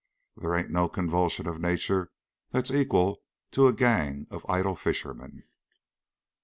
There ain't no convulsion of nature that's equal to a gang of idle fishermen."